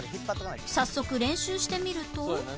早速練習してみると